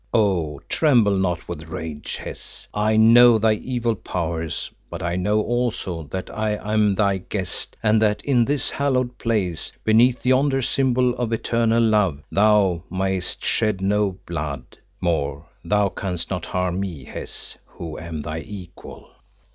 Oh! tremble not with rage. Hes, I know thy evil powers, but I know also that I am thy guest, and that in this hallowed place, beneath yonder symbol of eternal Love, thou may'st shed no blood. More, thou canst not harm me, Hes, who am thy equal."